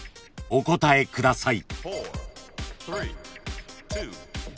お答えください。